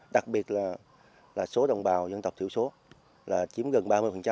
đặc biệt là số đồng bào dân tộc thiểu số là chiếm gần ba mươi